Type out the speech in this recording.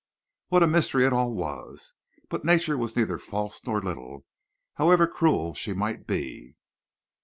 What a mystery it all was! But Nature was neither false nor little, however cruel she might be.